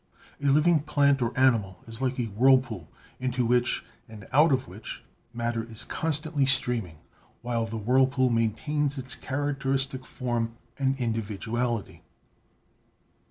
A living plant or animal is like a whirlpool into which, and out of which, matter is constantly streaming, while the whirlpool maintains its characteristic form and indi viduality.